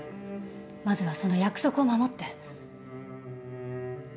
まずはその約束を守って。